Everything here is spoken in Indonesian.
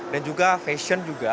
dan juga fashion juga